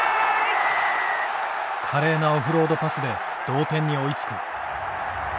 華麗なオフロードパスで同点に追いつく。